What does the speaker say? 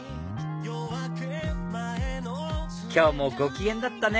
今日もご機嫌だったね